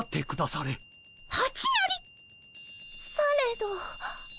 されど。